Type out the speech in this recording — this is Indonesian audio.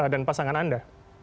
dan pasangan anda